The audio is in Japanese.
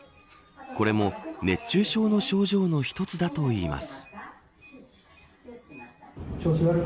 これも熱中症の症状の一つだといいます。